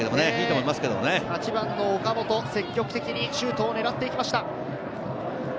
８番の岡本、積極的にシュートを狙っていきました。